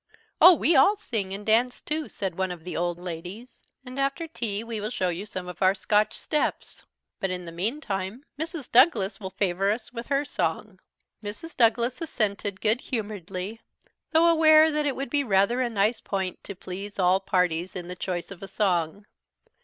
"Oh! we all sing, and dance too," said one, of the old young ladies; "and after tea we will show you some of our Scotch steps; but in the meantime Mrs. Douglas will favour us with her song." Mrs. Douglas assented good humouredly, though aware that it would be rather a nice point to please all parties in the choice of a song.